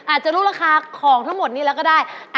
อาจจะรู้ราคาของทั้งหมดนี้แล้วก็ได้